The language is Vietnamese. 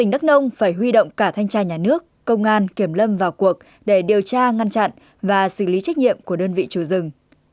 đắk nông phải huy động cả thanh tra nhà nước công an kiểm lâm vào cuộc để điều tra ngăn chặn và xử lý trách nhiệm của đơn vị chủ rừng